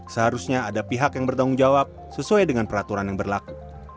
seharusnya ada pihak yang bertanggung jawab sesuai dengan peraturan yang berlaku